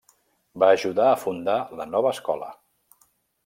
Va ajudar a fundar La Nova Escola.